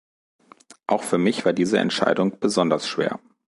Auch für mich war diese Entscheidung besonders schwer.